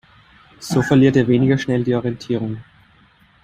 So verliert er weniger schnell die Orientierung.